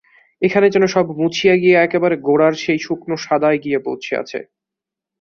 এখানে যেন সব মুছিয়া গিয়া একেবারে গোড়ার সেই শুকনো সাদায় গিয়া পৌঁছিয়াছে।